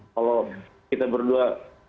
kalau kita berdua